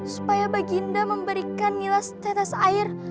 supaya baginda memberikan nila setetes air